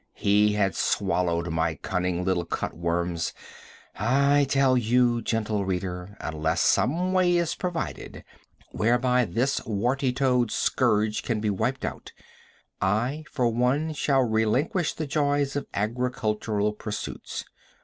He had swallowed my cunning little cut worms. I tell you, gentle reader, unless some way is provided, whereby this warty toad scourge can be wiped out, I for one shall relinquish the joys of agricultural pursuits.